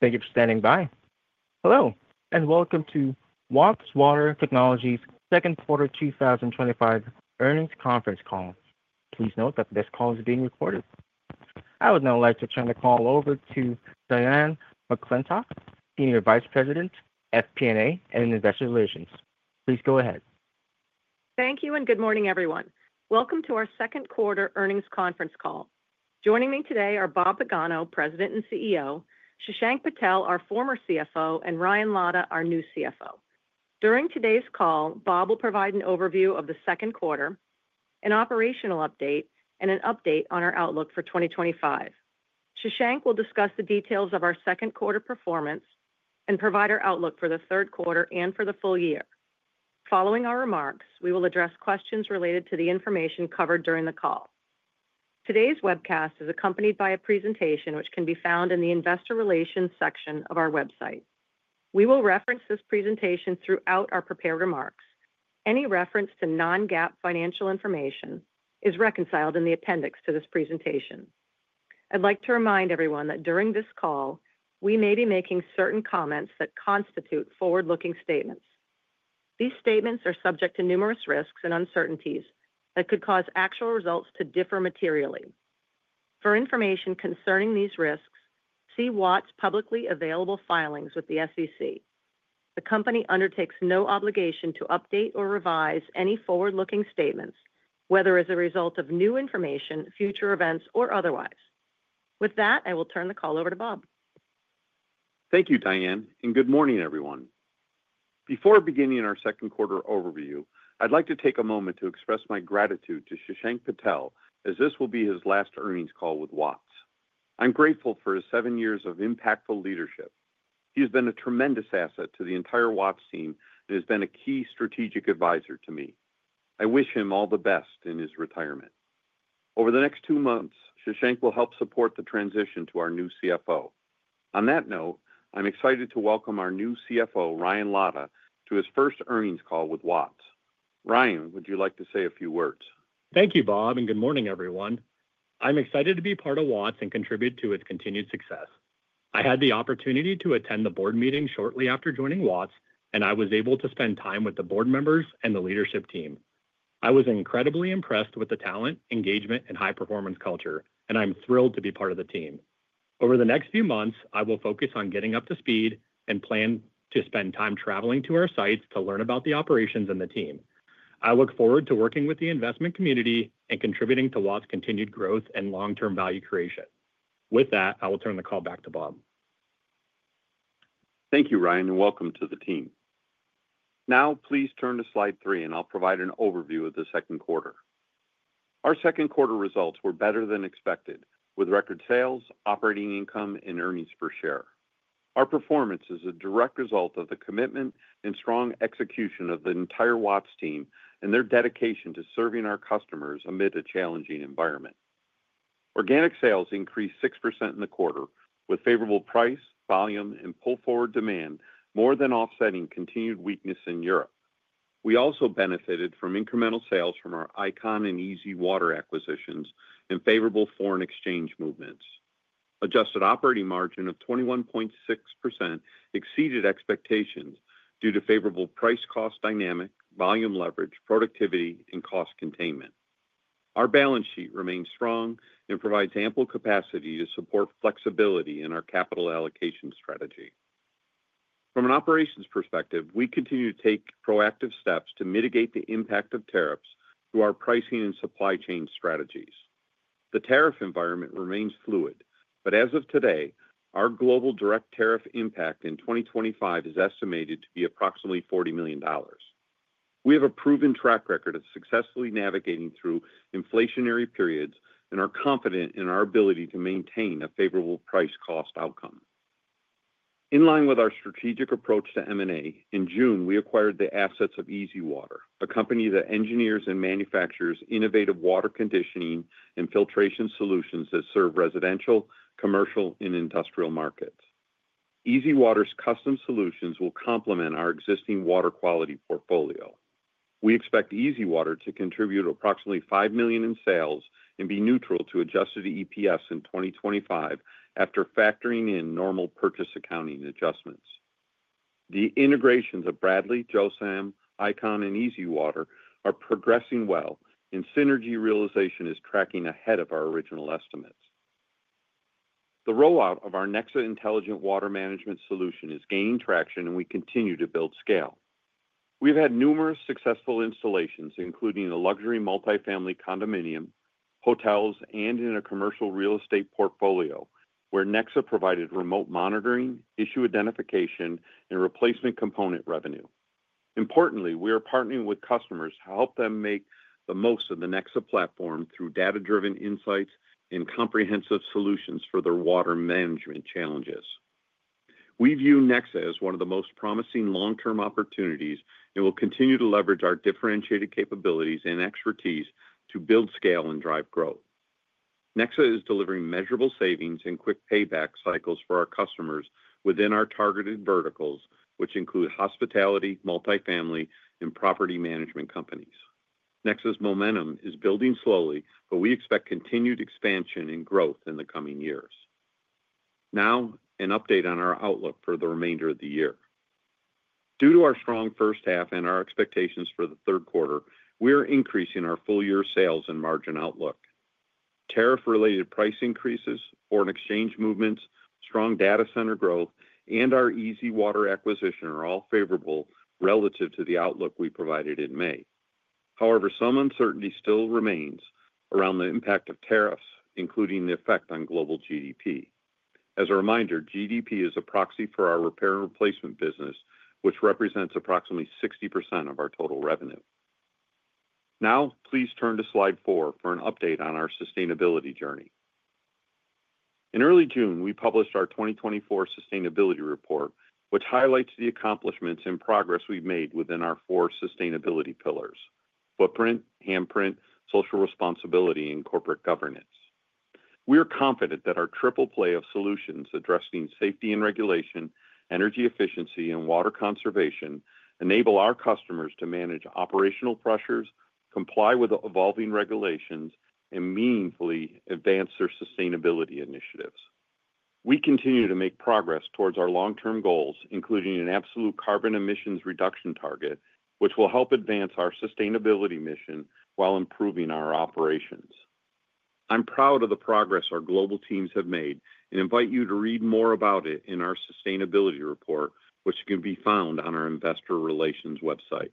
Thank you for standing by. Hello and welcome to Watts Water Technologies' second quarter 2025 earnings conference call. Please note that this call is being recorded. I would now like to turn the call over to Diane McClintock, Senior Vice President, FP&A, and Investor Relations. Please go ahead. Thank you and good morning, everyone. Welcome to our second quarter earnings conference call. Joining me today are Bob Pagano, President and CEO, Shashank Patel, our former CFO, and Ryan Lada, our new CFO. During today's call, Bob will provide an overview of the second quarter, an operational update, and an update on our outlook for 2025. Shashank will discuss the details of our second quarter performance and provide our outlook for the third quarter and for the full year. Following our remarks, we will address questions related to the information covered during the call. Today's webcast is accompanied by a presentation which can be found in the Investor Relations section of our website. We will reference this presentation throughout our prepared remarks. Any reference to non-GAAP financial information is reconciled in the appendix to this presentation. I'd like to remind everyone that during this call, we may be making certain comments that constitute forward-looking statements. These statements are subject to numerous risks and uncertainties that could cause actual results to differ materially. For information concerning these risks, see Watts' publicly available filings with the SEC. The company undertakes no obligation to update or revise any forward-looking statements, whether as a result of new information, future events, or otherwise. With that, I will turn the call over to Bob. Thank you, Diane, and good morning, everyone. Before beginning our second quarter overview, I'd like to take a moment to express my gratitude to Shashank Patel as this will be his last earnings call with Watts. I'm grateful for his seven years of impactful leadership. He has been a tremendous asset to the entire Watts team and has been a key strategic advisor to me. I wish him all the best in his retirement. Over the next two months, Shashank will help support the transition to our new CFO. On that note, I'm excited to welcome our new CFO, Ryan Lada, to his first earnings call with Watts. Ryan, would you like to say a few words? Thank you, Bob, and good morning, everyone. I'm excited to be part of Watts and contribute to its continued success. I had the opportunity to attend the board meeting shortly after joining Watts, and I was able to spend time with the board members and the leadership team. I was incredibly impressed with the talent, engagement, and high-performance culture, and I'm thrilled to be part of the team. Over the next few months, I will focus on getting up to speed and plan to spend time traveling to our sites to learn about the operations and the team. I look forward to working with the investment community and contributing to Watts' continued growth and long-term value creation. With that, I will turn the call back to Bob. Thank you, Ryan, and welcome to the team. Now, please turn to slide three, and I'll provide an overview of the second quarter. Our second quarter results were better than expected, with record sales, operating income, and earnings per share. Our performance is a direct result of the commitment and strong execution of the entire Watts team and their dedication to serving our customers amid a challenging environment. Organic sales increased 6% in the quarter, with favorable price, volume, and pull-forward demand more than offsetting continued weakness in Europe. We also benefited from incremental sales from our I-CON and EasyWater acquisitions and favorable foreign exchange movements. Adjusted operating margin of 21.6% exceeded expectations due to favorable price-cost dynamics, volume leverage, productivity, and cost containment. Our balance sheet remains strong and provides ample capacity to support flexibility in our capital allocation strategy. From an operations perspective, we continue to take proactive steps to mitigate the impact of tariffs through our pricing and supply chain strategies. The tariff environment remains fluid, but as of today, our global direct tariff impact in 2025 is estimated to be approximately $40 million. We have a proven track record of successfully navigating through inflationary periods and are confident in our ability to maintain a favorable price-cost outcome. In line with our strategic approach to M&A, in June, we acquired the assets of EasyWater, a company that engineers and manufactures innovative water conditioning and filtration solutions that serve residential, commercial, and industrial markets. EasyWater's custom solutions will complement our existing water quality portfolio. We expect EasyWater to contribute approximately $5 million in sales and be neutral to adjusted EPS in 2025 after factoring in normal purchase accounting adjustments. The integrations of Bradley, JOSAM, I-CON, and EasyWater are progressing well, and synergy realization is tracking ahead of our original estimates. The rollout of our Nexa Intelligent Water Management solution has gained traction, and we continue to build scale. We've had numerous successful installations, including a luxury multifamily condominium, hotels, and in a commercial real estate portfolio where Nexa provided remote monitoring, issue identification, and replacement component revenue. Importantly, we are partnering with customers to help them make the most of the Nexa platform through data-driven insights and comprehensive solutions for their water management challenges. We view Nexa as one of the most promising long-term opportunities and will continue to leverage our differentiated capabilities and expertise to build scale and drive growth. Nexa is delivering measurable savings and quick payback cycles for our customers within our targeted verticals, which include hospitality, multifamily, and property management companies. Nexa's momentum is building slowly, but we expect continued expansion and growth in the coming years. Now, an update on our outlook for the remainder of the year. Due to our strong first half and our expectations for the third quarter, we are increasing our full-year sales and margin outlook. Tariff-related price increases, foreign exchange movements, strong data center growth, and our Easy Water acquisition are all favorable relative to the outlook we provided in May. However, some uncertainty still remains around the impact of tariffs, including the effect on global GDP. As a reminder, GDP is a proxy for our repair and replacement business, which represents approximately 60% of our total revenue. Now, please turn to slide four for an update on our sustainability journey. In early June, we published our 2024 sustainability report, which highlights the accomplishments and progress we've made within our four sustainability pillars: footprint, handprint, social responsibility, and corporate governance. We are confident that our triple play of solutions addressing safety and regulation, energy efficiency, and water conservation enable our customers to manage operational pressures, comply with evolving regulations, and meaningfully advance their sustainability initiatives. We continue to make progress towards our long-term goals, including an absolute carbon emissions reduction target, which will help advance our sustainability mission while improving our operations. I'm proud of the progress our global teams have made and invite you to read more about it in our sustainability report, which can be found on our Investor Relations website.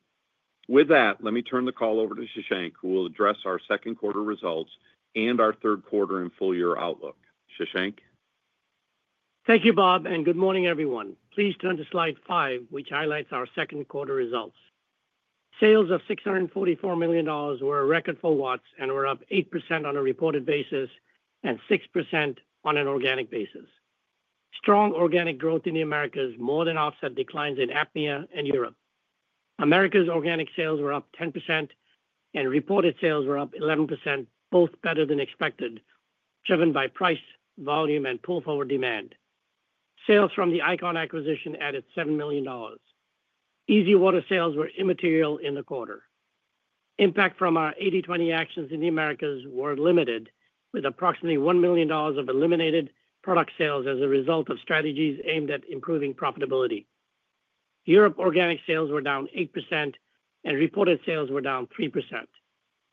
With that, let me turn the call over to Shashank, who will address our second quarter results and our third quarter and full-year outlook. Shashank? Thank you, Bob, and good morning, everyone. Please turn to slide five, which highlights our second quarter results. Sales of $644 million were a record for Watts and were up 8% on a reported basis and 6% on an organic basis. Strong organic growth in the Americas more than offset declines in APAC and Europe. Americas organic sales were up 10% and reported sales were up 11%, both better than expected, driven by price, volume, and pull-forward demand. Sales from the I-CON acquisition added $7 million. Easy Water sales were immaterial in the quarter. Impact from our 80/20 actions in the Americas were limited, with approximately $1 million of eliminated product sales as a result of strategies aimed at improving profitability. Europe organic sales were down 8% and reported sales were down 3%,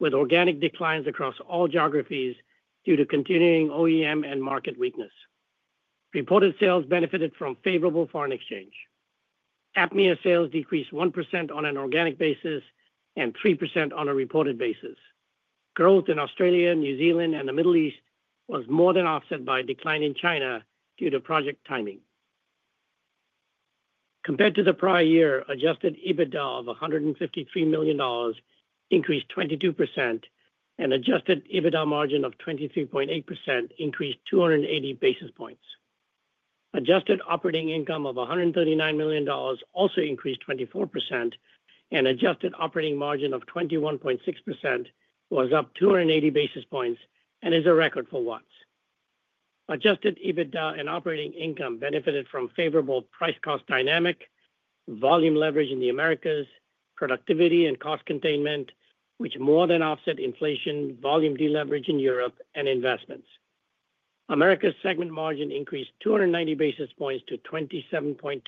with organic declines across all geographies due to continuing OEM and market weakness. Reported sales benefited from favorable foreign exchange. APMEA sales decreased 1% on an organic basis and 3% on a reported basis. Growth in Australia, New Zealand, and the Middle East was more than offset by a decline in China due to project timing. Compared to the prior year, adjusted EBITDA of $153 million increased 22% and adjusted EBITDA margin of 23.8% increased 280 basis points. Adjusted operating income of $139 million also increased 24% and adjusted operating margin of 21.6% was up 280 basis points and is a record for Watts. Adjusted EBITDA and operating income benefited from favorable price-cost dynamics, volume leverage in the Americas, productivity, and cost containment, which more than offset inflation, volume deleverage in Europe, and investments. Americas segment margin increased 290 basis points to 27.2%.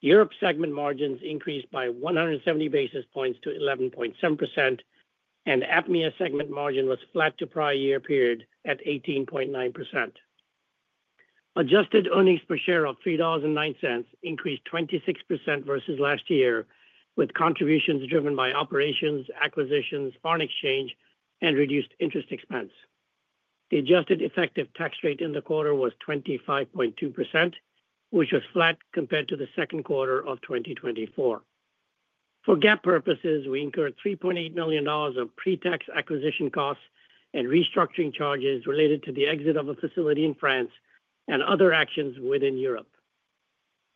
Europe's segment margins increased by 170 basis points to 11.7% and APMEA's segment margin was flat to prior year period at 18.9%. Adjusted earnings per share of $3.09 increased 26% versus last year, with contributions driven by operations, acquisitions, foreign exchange, and reduced interest expense. The adjusted effective tax rate in the quarter was 25.2%, which was flat compared to the second quarter of 2024. For GAAP purposes, we incurred $3.8 million of pre-tax acquisition costs and restructuring charges related to the exit of a facility in France and other actions within Europe.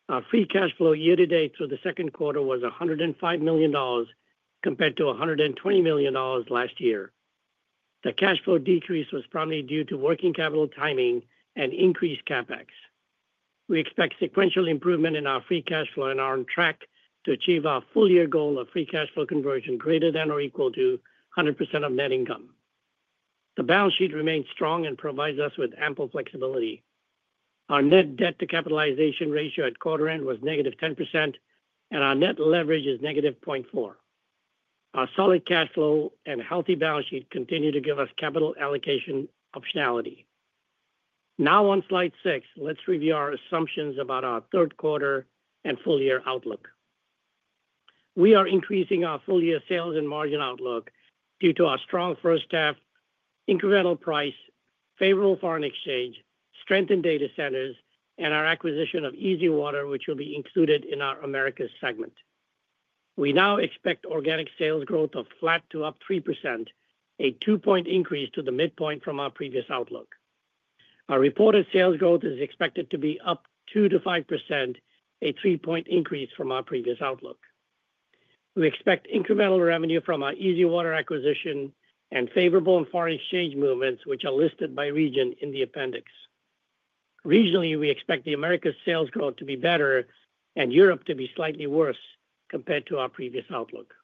Our free cash flow year-to-date through the second quarter was $105 million compared to $120 million last year. The cash flow decrease was probably due to working capital timing and increased CapEx. We expect sequential improvement in our free cash flow and are on track to achieve our full-year goal of free cash flow conversion greater than or equal to 100% of net income. The balance sheet remains strong and provides us with ample flexibility. Our net debt-to-capitalization ratio at quarter end was -10% and our net leverage is -0.4%. Our solid cash flow and healthy balance sheet continue to give us capital allocation optionality. Now on slide six, let's review our assumptions about our third quarter and full-year outlook. We are increasing our full-year sales and margin outlook due to our strong first half, incremental price, favorable foreign exchange, strengthened data centers, and our acquisition of EasyWater, which will be included in our Americas segment. We now expect organic sales growth of flat to up 3%, a two-point increase to the midpoint from our previous outlook. Our reported sales growth is expected to be up 2% - 5%, a three-point increase from our previous outlook. We expect incremental revenue from our Easy Water acquisition and favorable foreign exchange movements, which are listed by region in the appendix. Regionally, we expect the Americas sales growth to be better and Europe to be slightly worse compared to our previous outlook.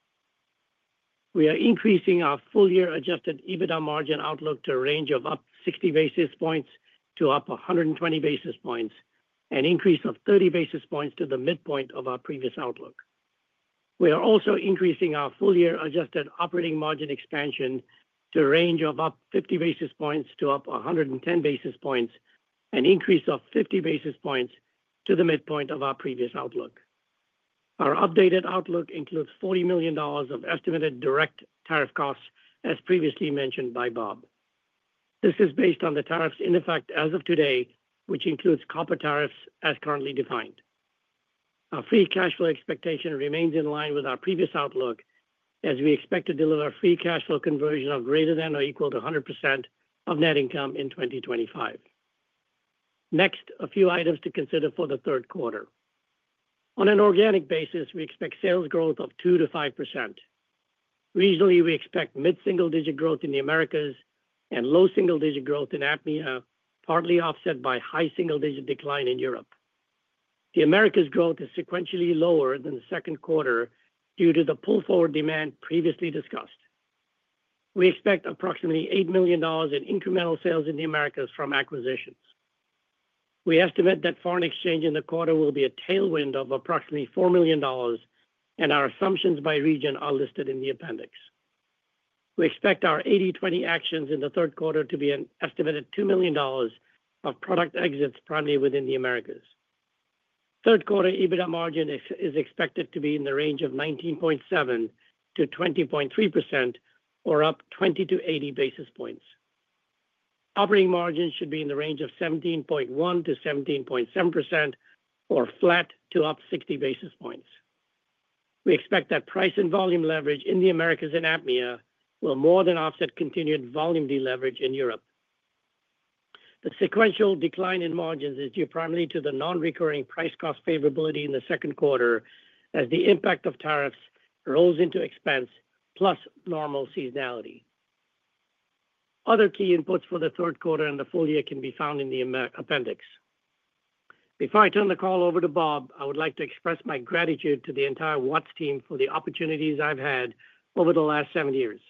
We are increasing our full-year adjusted EBITDA margin outlook to a range of up 60 basis points to up 120 basis points and an increase of 30 basis points to the midpoint of our previous outlook. We are also increasing our full-year adjusted operating margin expansion to a range of up 50 basis points to up 110 basis points and an increase of 50 basis points to the midpoint of our previous outlook. Our updated outlook includes $40 million of estimated direct tariff costs, as previously mentioned by Bob. This is based on the tariffs in effect as of today, which includes copper tariffs as currently defined. Our free cash flow expectation remains in line with our previous outlook, as we expect to deliver a free cash flow conversion of greater than or equal to 100% of net income in 2025. Next, a few items to consider for the third quarter. On an organic basis, we expect sales growth of 2% - 5%. Regionally, we expect mid-single-digit growth in the Americas and low single-digit growth in APMEA, partly offset by high single-digit decline in Europe. The Americas' growth is sequentially lower than the second quarter due to the pull-forward demand previously discussed. We expect approximately $8 million in incremental sales in the Americas from acquisitions. We estimate that foreign exchange in the quarter will be a tailwind of approximately $4 million, and our assumptions by region are listed in the appendix. We expect our 80/20 actions in the third quarter to be an estimated $2 million of product exits, primarily within the Americas. Third quarter EBITDA margin is expected to be in the range of 19.7% - 20.3%, or up 20 basis points - 80 basis points. Operating margin should be in the range of 17.1% - 17.7%, or flat to up 60 basis points. We expect that price and volume leverage in the Americas and APMEA will more than offset continued volume deleverage in Europe. The sequential decline in margins is due primarily to the non-recurring price-cost favorability in the second quarter, as the impact of tariffs rolls into expense plus normal seasonality. Other key inputs for the third quarter and the full year can be found in the appendix. Before I turn the call over to Bob, I would like to express my gratitude to the entire Watts team for the opportunities I've had over the last seven years.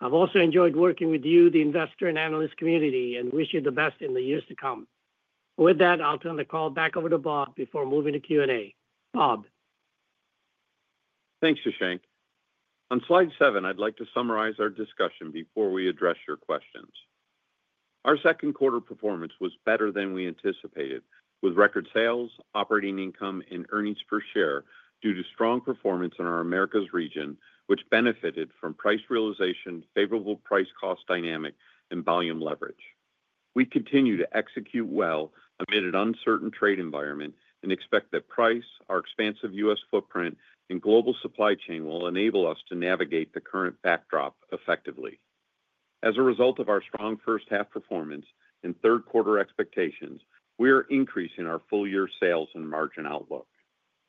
I've also enjoyed working with you, the investor and analyst community, and wish you the best in the years to come. With that, I'll turn the call back over to Bob before moving to Q&A. Bob. Thanks, Shashank. On slide seven, I'd like to summarize our discussion before we address your questions. Our second quarter performance was better than we anticipated, with record sales, operating income, and earnings per share due to strong performance in our Americas region, which benefited from price realization, favorable price-cost dynamics, and volume leverage. We continue to execute well amid an uncertain trade environment and expect that price, our expansive U.S. footprint, and global supply chain will enable us to navigate the current backdrop effectively. As a result of our strong first half performance and third quarter expectations, we are increasing our full-year sales and margin outlook.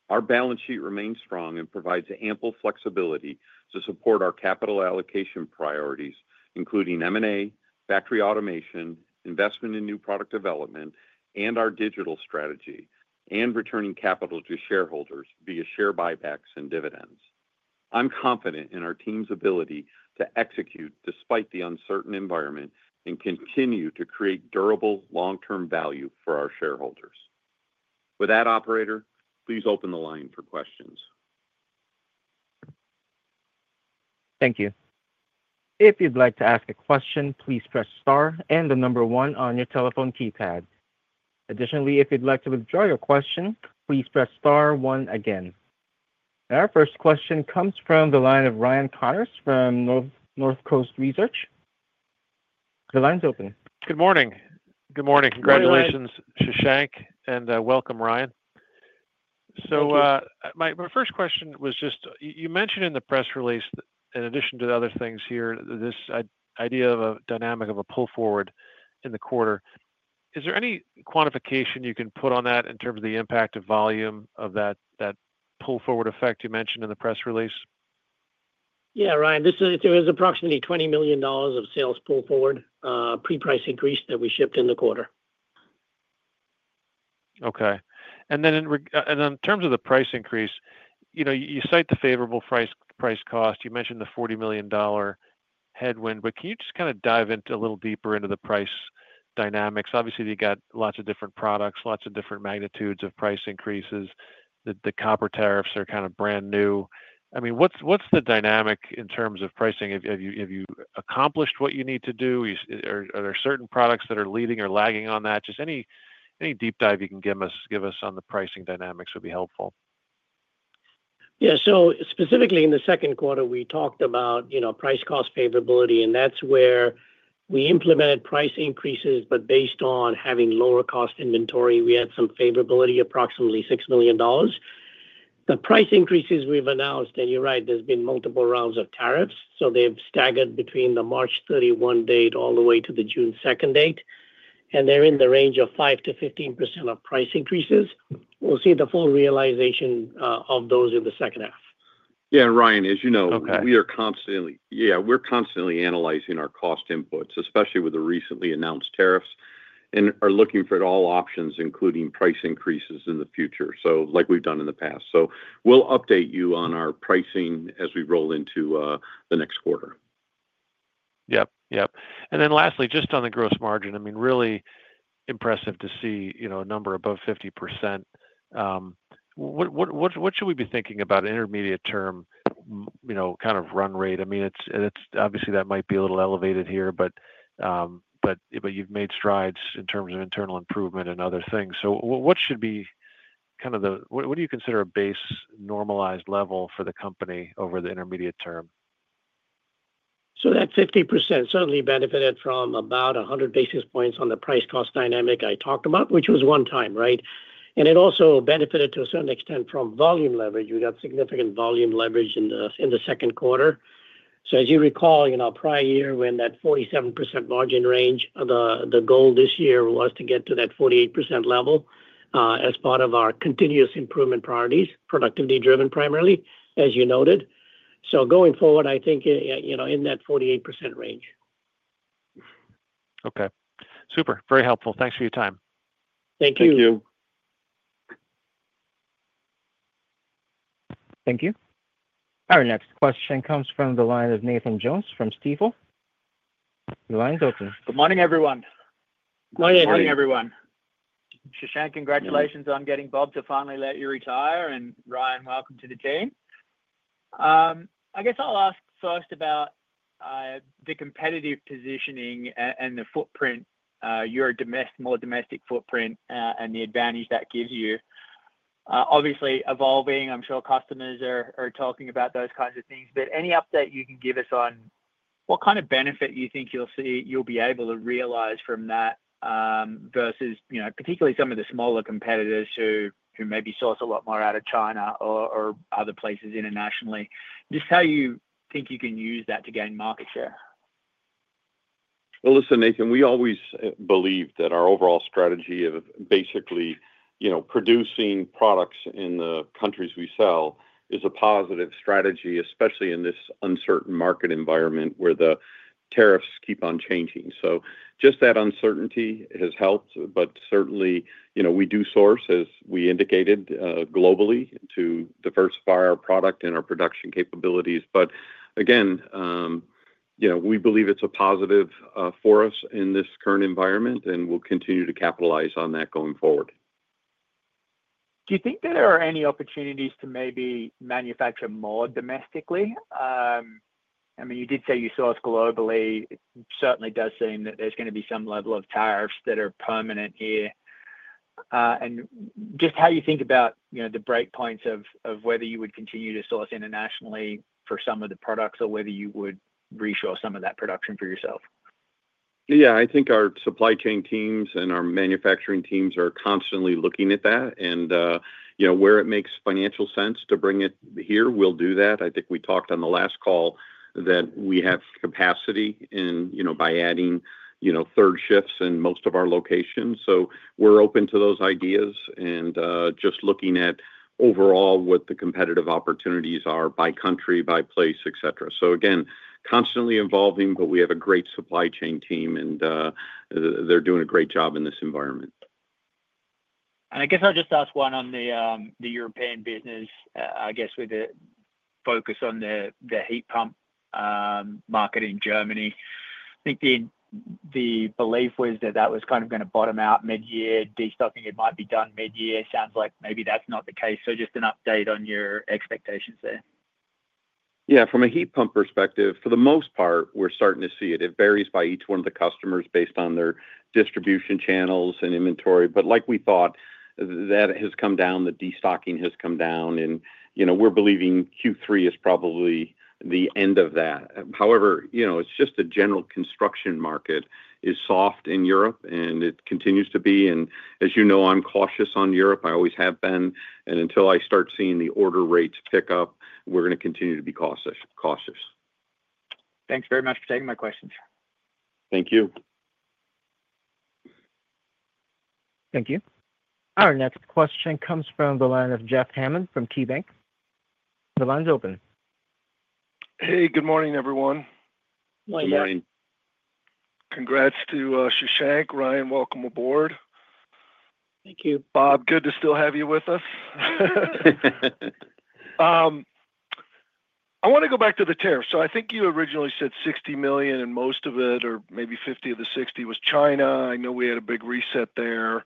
Our balance sheet remains strong and provides ample flexibility to support our capital allocation priorities, including M&A, factory automation, investment in new product development, our digital strategy, and returning capital to shareholders via share buybacks and dividends. I'm confident in our team's ability to execute despite the uncertain environment and continue to create durable long-term value for our shareholders. With that, operator, please open the line for questions. Thank you. If you'd like to ask a question, please press star and the number one on your telephone keypad. Additionally, if you'd like to withdraw your question, please press star one again. Our first question comes from the line of Ryan Connors from Northcoast Research. The line's open. Good morning. Congratulations, Shashank, and welcome, Ryan. My first question was, you mentioned in the press release, in addition to other things here, this idea of a dynamic of a pull forward in the quarter. Is there any quantification you can put on that in terms of the impact of volume of that pull forward effect you mentioned in the press release? Yeah, Ryan, this is approximately $20 million of sales pull forward, pre-price increase, that we shipped in the quarter. Okay. In terms of the price increase, you cite the favorable price-cost. You mentioned the $40 million headwind, but can you dive a little deeper into the price dynamics? Obviously, they have lots of different products, lots of different magnitudes of price increases. The copper tariffs are kind of brand new. What is the dynamic in terms of pricing? Have you accomplished what you need to do? Are there certain products that are leading or lagging on that? Any deep dive you can give us on the pricing dynamics would be helpful. Yeah, specifically in the second quarter, we talked about price-cost favorability, and that's where we implemented price increases. Based on having lower cost inventory, we had some favorability, approximately $6 million. The price increases we've announced, and you're right, there's been multiple rounds of tariffs, so they've staggered between the March 31 date all the way to the June 2nd date, and they're in the range of 5% - 15% of price increases. We'll see the full realization of those in the second half. Ryan, as you know, we are constantly analyzing our cost inputs, especially with the recently announced tariffs, and are looking for all options, including price increases in the future, like we've done in the past. We'll update you on our pricing as we roll into the next quarter. Yep, yep. Lastly, just on the gross margin, I mean, really impressive to see, you know, a number above 50%. What should we be thinking about intermediate term, you know, kind of run rate? I mean, it's obviously that might be a little elevated here, but you've made strides in terms of internal improvement and other things. What should be kind of the, what do you consider a base normalized level for the company over the intermediate term? That 50% certainly benefited from about 100 basis points on the price-cost dynamic I talked about, which was one time, right? It also benefited to a certain extent from volume leverage. We got significant volume leverage in the second quarter. As you recall, in our prior year, we were in that 47% margin range. The goal this year was to get to that 48% level as part of our continuous improvement priorities, productivity-driven primarily, as you noted. Going forward, I think, you know, in that 48% range. Okay. Super. Very helpful. Thanks for your time. Thank you. Thank you. Thank you. Our next question comes from the line of Nathan Jones from Stifel. The line's open. Good morning, everyone. Morning, everyone. Morning, everyone. Shashank, congratulations on getting Bob to finally let you retire, and Ryan, welcome to the team. I guess I'll ask first about the competitive positioning and the footprint, your more domestic footprint, and the advantage that gives you. Obviously evolving, I'm sure customers are talking about those kinds of things, but any update you can give us on what kind of benefit you think you'll see, you'll be able to realize from that versus, you know, particularly some of the smaller competitors who maybe source a lot more out of China or other places internationally. Just how you think you can use that to gain market share. Nathan, we always believe that our overall strategy of basically, you know, producing products in the countries we sell is a positive strategy, especially in this uncertain market environment where the tariffs keep on changing. Just that uncertainty has helped, but certainly, you know, we do source, as we indicated, globally to diversify our product and our production capabilities. Again, you know, we believe it's a positive for us in this current environment, and we'll continue to capitalize on that going forward. Do you think there are any opportunities to maybe manufacture more domestically? I mean, you did say you source globally. It certainly does seem that there's going to be some level of tariffs that are permanent here. Just how you think about the break points of whether you would continue to source internationally for some of the products or whether you would resource some of that production for yourself. I think our supply chain teams and our manufacturing teams are constantly looking at that. Where it makes financial sense to bring it here, we'll do that. I think we talked on the last call that we have capacity by adding third shifts in most of our locations. We're open to those ideas and just looking at overall what the competitive opportunities are by country, by place, et cetera. It is constantly evolving, but we have a great supply chain team, and they're doing a great job in this environment. I guess I'll just ask one on the European business, with the focus on the heat pump market in Germany. I think the belief was that that was kind of going to bottom out mid-year, do you think it might be done mid-year? It sounds like maybe that's not the case. Just an update on your expectations there. Yeah, from a heat pump perspective, for the most part, we're starting to see it. It varies by each one of the customers based on their distribution channels and inventory. Like we thought, that has come down, the destocking has come down, and we're believing Q3 is probably the end of that. However, it's just a general construction market is soft in Europe, and it continues to be. As you know, I'm cautious on Europe. I always have been. Until I start seeing the order rates pick up, we're going to continue to be cautious. Thanks very much for taking my questions. Thank you. Thank you. Our next question comes from the line of Jeff Hammond from KeyBanc. The line's open. Hey, good morning, everyone. Morning. Congrats to Shashank. Ryan, welcome aboard. Thank you, Bob. Good to still have you with us. I want to go back to the tariffs. I think you originally said $60 million, and most of it, or maybe $50 million of the $60 million, was China. I know we had a big reset there.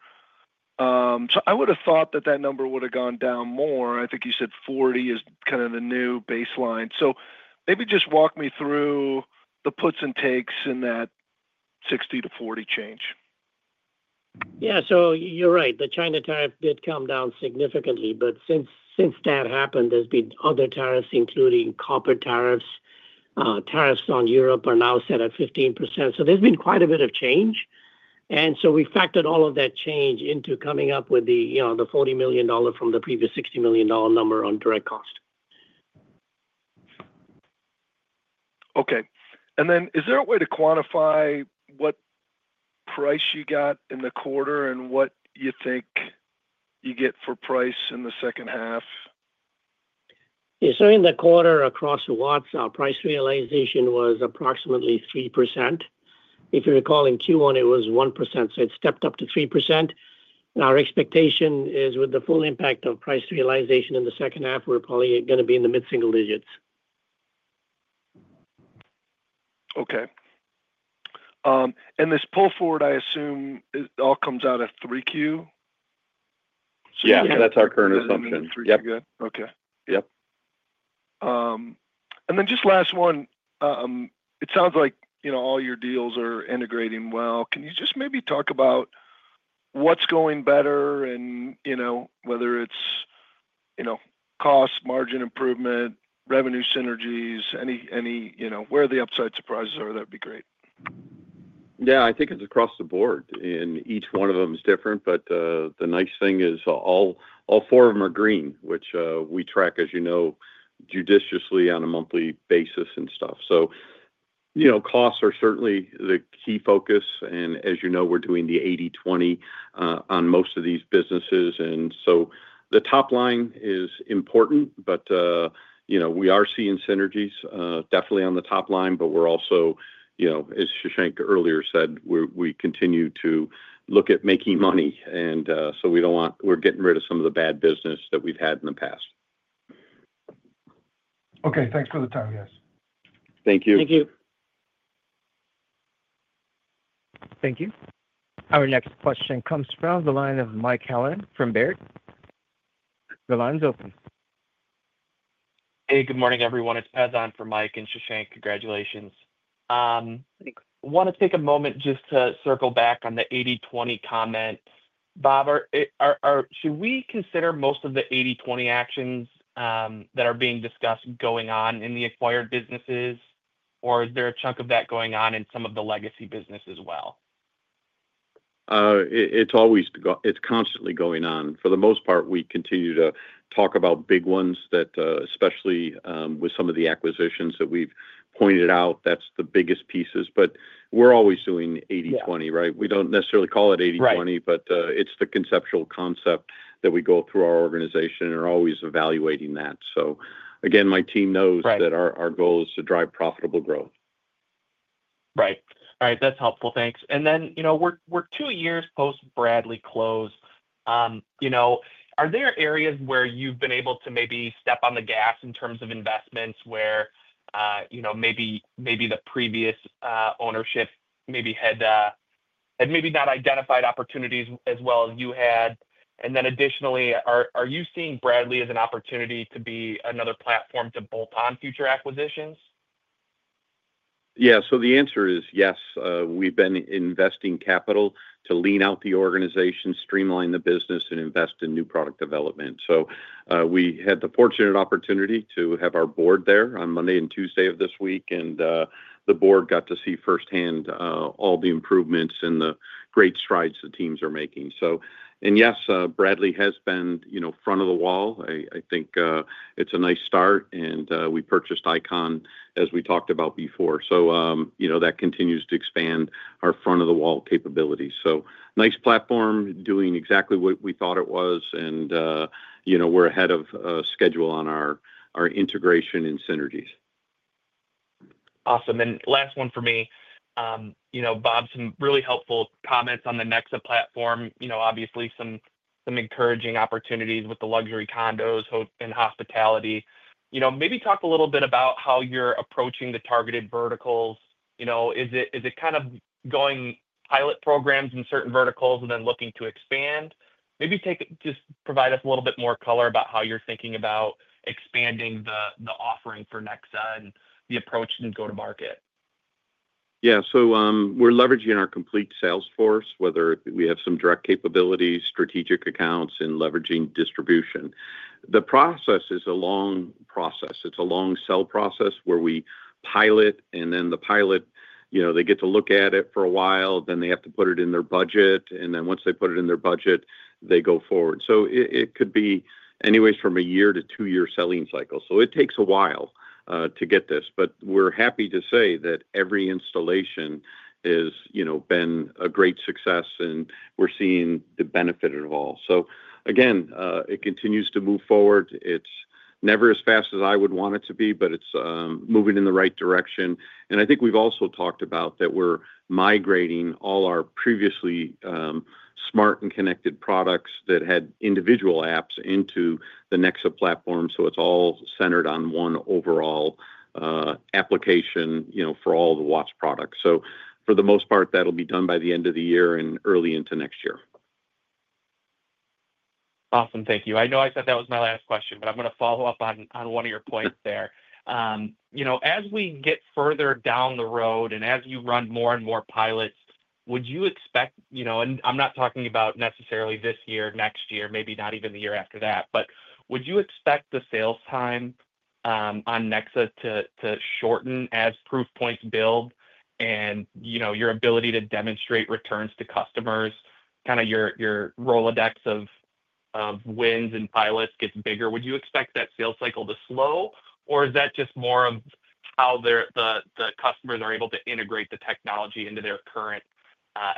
I would have thought that that number would have gone down more. I think you said $40 million is kind of the new baseline. Maybe just walk me through the puts and takes in that $60 million - $40 million change. Yeah, you're right. The China tariff did come down significantly, but since that happened, there's been other tariffs, including copper tariffs. Tariffs on Europe are now set at 15%. There's been quite a bit of change, and we factored all of that change into coming up with the $40 million from the previous $60 million number on direct cost. Okay. Is there a way to quantify what price you got in the quarter and what you think you get for price in the second half? Yeah, in the quarter across Watts, our price realization was approximately 3%. If you recall, in Q1, it was 1%. It stepped up to 3%. Our expectation is with the full impact of price realization in the second half, we're probably going to be in the mid-single digits. Okay. This pull forward, I assume, it all comes out of 3Q? Yeah, that's our current assumption. 3Q? Okay. Yep. It sounds like, you know, all your deals are integrating well. Can you just maybe talk about what's going better and, you know, whether it's, you know, cost, margin improvement, revenue synergies, any, any, you know, where the upside surprises are, that'd be great. Yeah, I think it's across the board, and each one of them is different. The nice thing is all four of them are green, which we track, as you know, judiciously on a monthly basis. Costs are certainly the key focus, and as you know, we're doing the 80/20 on most of these businesses. The top line is important, but we are seeing synergies definitely on the top line. We're also, as Shashank earlier said, we continue to look at making money, and we don't want, we're getting rid of some of the bad business that we've had in the past. Okay, thanks for the time, guys. Thank you. Thank you. Thank you. Our next question comes from the line of Mike Thelen from Baird. The line's open. Hey, good morning, everyone. It's Evan for Mike and Shashank. Congratulations. I want to take a moment just to circle back on the 80/20 comment. Bob, should we consider most of the 80/20 actions that are being discussed going on in the acquired businesses, or is there a chunk of that going on in some of the legacy business as well? It's always, it's constantly going on. For the most part, we continue to talk about big ones, especially with some of the acquisitions that we've pointed out, that's the biggest pieces. We're always doing 80/20, right? We don't necessarily call it 80/20, but it's the conceptual concept that we go through our organization and are always evaluating that. My team knows that our goal is to drive profitable growth. Right. All right. That's helpful. Thanks. We're two years post-Bradley close. Are there areas where you've been able to maybe step on the gas in terms of investments where maybe the previous ownership had not identified opportunities as well as you had? Additionally, are you seeing Bradley as an opportunity to be another platform to bolt on future acquisitions? Yeah, the answer is yes. We've been investing capital to lean out the organization, streamline the business, and invest in new product development. We had the fortunate opportunity to have our board there on Monday and Tuesday of this week, and the board got to see firsthand all the improvements and the great strides the teams are making. Bradley has been, you know, front of the wall. I think it's a nice start, and we purchased I-CON, as we talked about before. That continues to expand our front-of-the-wall capabilities. Nice platform doing exactly what we thought it was, and we're ahead of schedule on our integration and synergies. Awesome. Last one for me. Bob, some really helpful comments on the Nexa platform. Obviously, some encouraging opportunities with the luxury condos and hospitality. Maybe talk a little bit about how you're approaching the targeted verticals. Is it kind of going pilot programs in certain verticals and then looking to expand? Maybe take it, just provide us a little bit more color about how you're thinking about expanding the offering for Nexa and the approach to go to market. Yeah, so we're leveraging our complete sales force, whether we have some direct capabilities, strategic accounts, and leveraging distribution. The process is a long process. It's a long sell process where we pilot, and then the pilot, you know, they get to look at it for a while, then they have to put it in their budget, and then once they put it in their budget, they go forward. It could be anywhere from a year to two-year selling cycle. It takes a while to get this, but we're happy to say that every installation has, you know, been a great success, and we're seeing the benefit of all. It continues to move forward. It's never as fast as I would want it to be, but it's moving in the right direction. I think we've also talked about that we're migrating all our previously smart and connected products that had individual apps into the Nexa platform. It's all centered on one overall application, you know, for all the Watts products. For the most part, that'll be done by the end of the year and early into next year. Awesome. Thank you. I know I said that was my last question, but I'm going to follow up on one of your points there. As we get further down the road and as you run more and more pilots, would you expect, and I'm not talking about necessarily this year, next year, maybe not even the year after that, but would you expect the sales time on Nexa to shorten as proof points build and your ability to demonstrate returns to customers, kind of your Rolodex of wins and pilots gets bigger? Would you expect that sales cycle to slow, or is that just more of how the customers are able to integrate the technology into their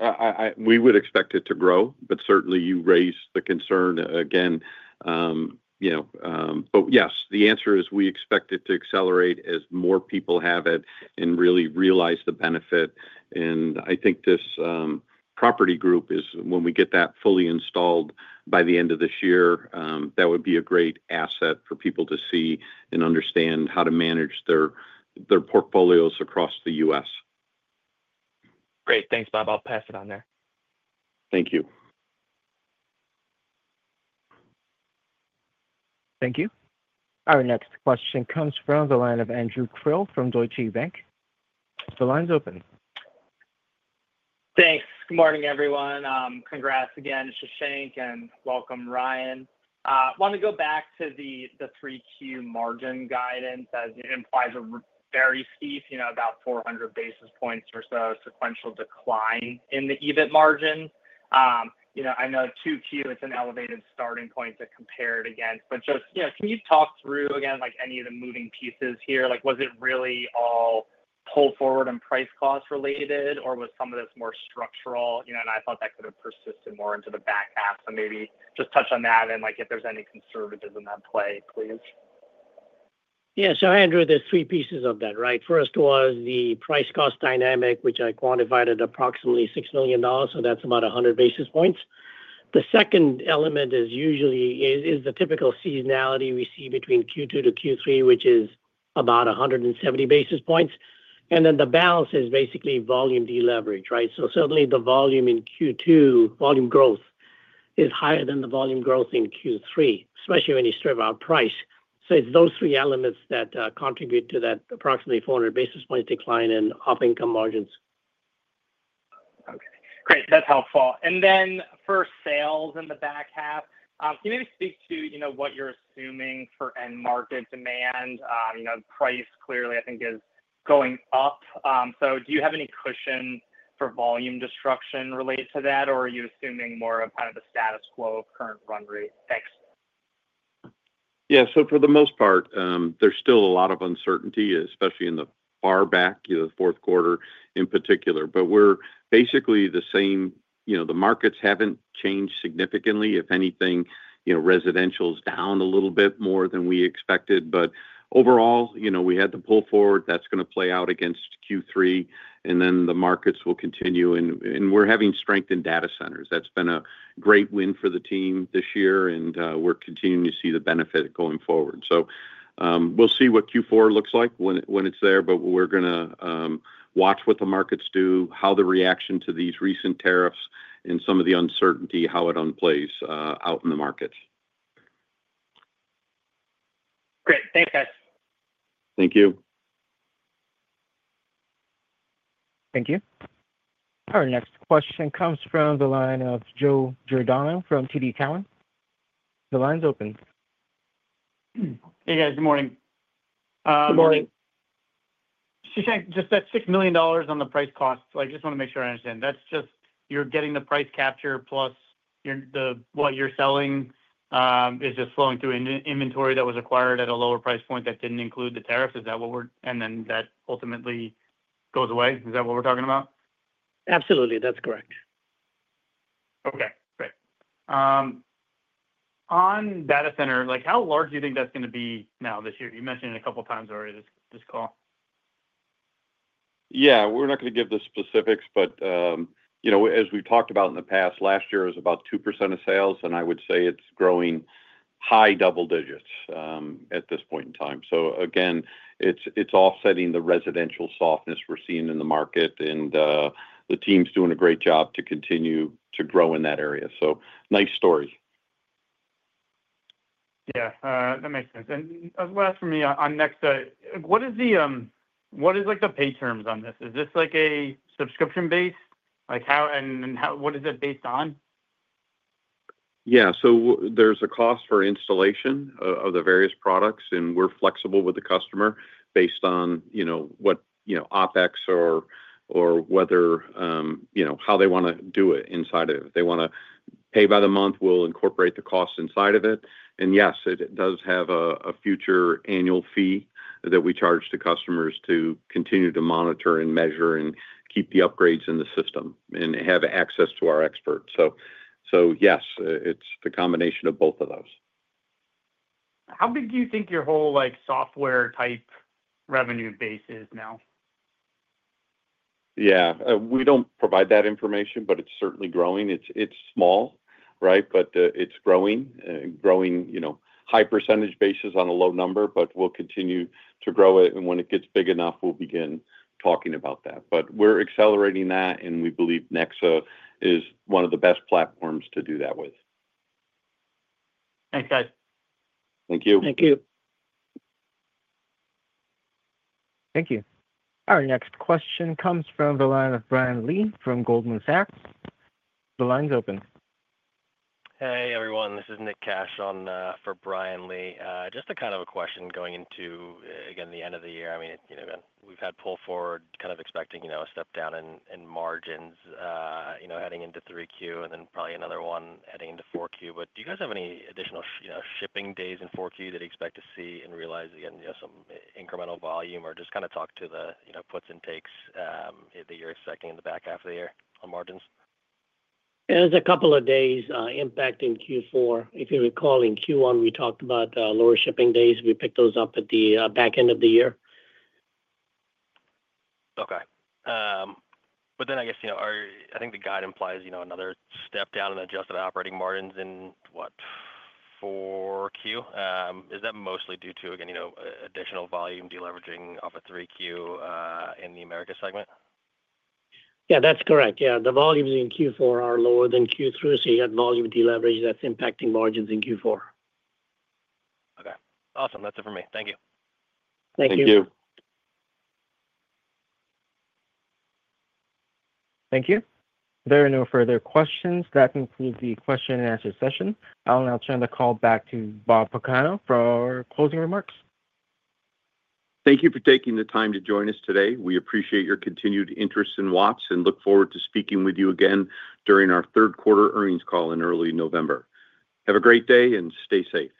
current assets? We would expect it to grow, but certainly you raised the concern again. Yes, the answer is we expect it to accelerate as more people have it and really realize the benefit. I think this property group is, when we get that fully installed by the end of this year, that would be a great asset for people to see and understand how to manage their portfolios across the U.S. Great. Thanks, Bob. I'll pass it on there. Thank you. Thank you. Our next question comes from the line of Andrew Krill from Deutsche Bank. The line's open. Thanks. Good morning, everyone. Congrats again, Shashank, and welcome, Ryan. I want to go back to the 3Q margin guidance, as it implies a very steep, you know, about 400 basis points or so sequential decline in the EBIT margin. I know 2Q, it's an elevated starting point to compare it against. Just, you know, can you talk through, again, like any of the moving pieces here? Was it really all pull forward and price-cost related, or was some of this more structural? I thought that could have persisted more into the back half, but maybe just touch on that and if there's any conservatism in that play, please. Yeah, so Andrew, there's three pieces of that, right? First was the price-cost dynamic, which I quantified at approximately $6 million, so that's about 100 basis points. The second element is usually the typical seasonality we see between Q2 to Q3, which is about 170 basis points. The balance is basically volume deleverage, right? Certainly, the volume in Q2, volume growth is higher than the volume growth in Q3, especially when you strip out price. It's those three elements that contribute to that approximately 400 basis points decline in operating income margins. Okay. Great. That's helpful. For sales in the back half, can you maybe speak to what you're assuming for end market demand? Price clearly, I think, is going up. Do you have any cushion for volume destruction related to that, or are you assuming more of the status quo of current run rate? Thanks. Yeah, for the most part, there's still a lot of uncertainty, especially in the far back, you know, the fourth quarter in particular. We're basically the same. The markets haven't changed significantly. If anything, residential is down a little bit more than we expected. Overall, we had the pull forward that's going to play out against Q3, and the markets will continue. We're having strength in data centers. That's been a great win for the team this year, and we're continuing to see the benefit going forward. We'll see what Q4 looks like when it's there. We're going to watch what the markets do, how the reaction to these recent tariffs and some of the uncertainty, how it unplays out in the markets. Great. Thanks, guys. Thank you. Thank you. Our next question comes from the line of Joe Giordano from TD Cowen. The line's open. Hey, guys. Good morning. Good morning. Shashank, just that $6 million on the price-cost. I just want to make sure I understand. That's just you're getting the price capture plus what you're selling is just flowing through inventory that was acquired at a lower price point that didn't include the tariffs. Is that what we're talking about, and then that ultimately goes away? Is that what we're talking about? Absolutely. That's correct. Okay. Great. On data center, like how large do you think that's going to be now this year? You mentioned it a couple of times already this call. Yeah, we're not going to give the specifics, but you know, as we've talked about in the past, last year was about 2% of sales, and I would say it's growing high double digits at this point in time. It's offsetting the residential softness we're seeing in the market, and the team's doing a great job to continue to grow in that area. Nice story. Yeah, that makes sense. Last for me on Nexa, what is the—what are the pay terms on this? Is this like a subscription-based? Like how—and what is it based on? Yeah, so there's a cost for installation of the various products, and we're flexible with the customer based on, you know, what, you know, OpEx or whether, you know, how they want to do it inside of it. If they want to pay by the month, we'll incorporate the cost inside of it. Yes, it does have a future annual fee that we charge to customers to continue to monitor and measure and keep the upgrades in the system and have access to our experts. Yes, it's the combination of both of those. How big do you think your whole like software type revenue base is now? Yeah, we don't provide that information, but it's certainly growing. It's small, right? It's growing, growing, you know, high % basis on a low number. We'll continue to grow it. When it gets big enough, we'll begin talking about that. We're accelerating that, and we believe Nexa is one of the best platforms to do that with. Thanks, guys. Thank you. Thank you. Thank you. Our next question comes from the line of Brian Lee from Goldman Sachs. The line's open. Hey, everyone. This is Nick Cash on for Brian Lee. Just a kind of a question going into, again, the end of the year. I mean, you know, we've had pull forward kind of expecting, you know, a step down in margins, you know, heading into 3Q and then probably another one heading into 4Q. Do you guys have any additional, you know, shipping days in 4Q that you expect to see and realize, again, some incremental volume or just kind of talk to the puts and takes that you're expecting in the back half of the year on margins? Yeah, there's a couple of days impacting Q4. If you recall, in Q1, we talked about lower shipping days. We picked those up at the back end of the year. Okay. I think the guide implies another step down in adjusted operating margins in, what, 4Q? Is that mostly due to, again, additional volume deleveraging off of 3Q in the Americas segment? Yeah, that's correct. Yeah, the volumes in Q4 are lower than Q3, so you got volume deleverage that's impacting margins in Q4. Okay. Awesome. That's it for me. Thank you. Thank you. Thank you. Thank you. There are no further questions. That concludes the question and answer session. I'll now turn the call back to Bob Pagano for closing remarks. Thank you for taking the time to join us today. We appreciate your continued interest in Watts and look forward to speaking with you again during our third quarter earnings call in early November. Have a great day and stay safe.